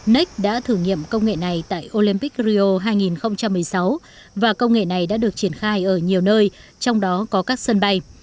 nec đã thử nghiệm công nghệ này tại olympic rio hai nghìn một mươi sáu và công nghệ này đã được triển khai ở nhiều nơi trong đó có các sân bay